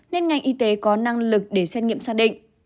nên ngành y tế có năng lực để xét nghiệm xác định